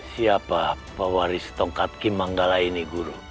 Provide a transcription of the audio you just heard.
siapa pewaris tongkat kim manggala ini guru